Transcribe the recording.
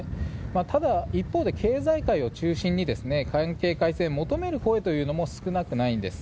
ただ、一方で経済界を中心に関係改善を求める声も少なくないんです。